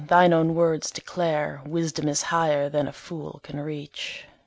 Thine own words declare Wisdom is higher than a fool can reach.